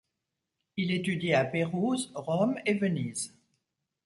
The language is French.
Il étudie à Pérouse, Rome et Venise.